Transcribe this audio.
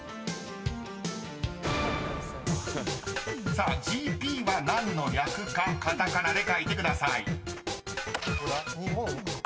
［さあ「ＧＰ」は何の略かカタカナで書いてください］